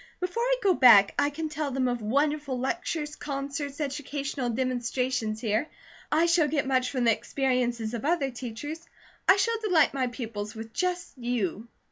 Before I go back, I can tell them of wonderful lectures, concerts, educational demonstrations here. I shall get much from the experiences of other teachers. I shall delight my pupils with just you."